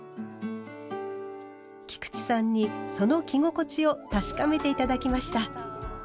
菊池さんにその着心地を確かめて頂きました。